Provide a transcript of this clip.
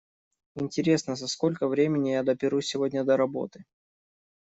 Интересно, за сколько времени я доберусь сегодня до работы?